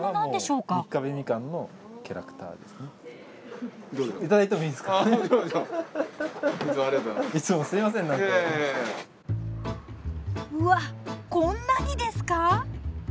うわこんなにですか？